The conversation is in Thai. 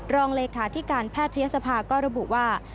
รองเลขาธิการแพทยศภาก็ระบุว่า